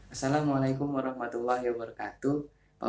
assalamualaikum warahmatullahi wabarakatuh